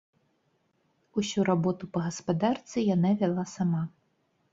Усю работу па гаспадарцы яна вяла сама.